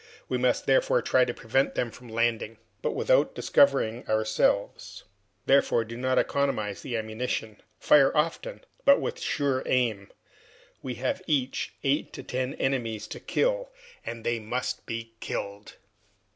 We must therefore try to prevent them from landing, but without discovering ourselves. Therefore, do not economize the ammunition. Fire often, but with a sure aim. We have each eight or ten enemies to kill, and they must be killed!"